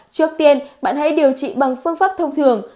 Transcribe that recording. trước tiên bạn hãy điều trị bằng phương pháp thông thường